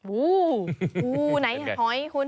อู้วอู้วไหนหอยคุณ